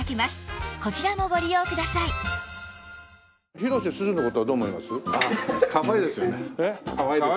広瀬すずの事はどう思います？